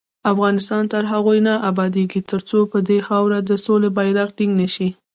افغانستان تر هغو نه ابادیږي، ترڅو پر دې خاوره د سولې بیرغ ټینګ نشي.